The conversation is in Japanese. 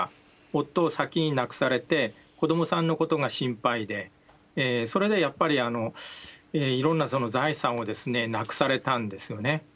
夫を先に亡くされて、子どもさんのことが心配で、それでやっぱりいろんな財産をなくされたんですよね。